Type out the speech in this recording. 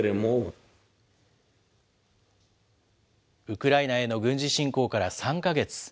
ウクライナへの軍事侵攻から３か月。